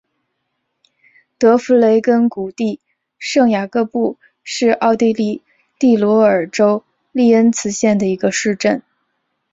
德弗雷根谷地圣雅各布是奥地利蒂罗尔州利恩茨县的一个市镇。